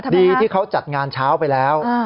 ดีที่เขาจัดงานเช้าไปแล้ว